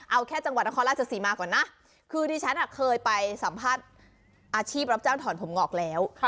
เอาแค่จังหวัดนครราชศรีมาก่อนนะคือดิฉันเคยไปสัมภาษณ์อาชีพรับจ้างถอนผมงอกแล้ว